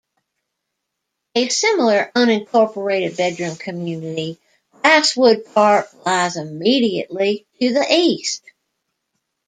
A similar unincorporated bedroom community, Grasswood Park, lies immediately to the east.